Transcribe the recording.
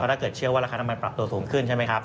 ถ้าเกิดเชื่อว่าราคาน้ำมันปรับตัวสูงขึ้นใช่ไหมครับ